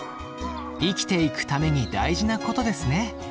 生きていくために大事なことですね。